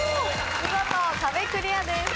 見事壁クリアです。